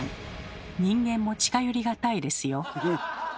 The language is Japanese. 人間も近寄り難いですよ。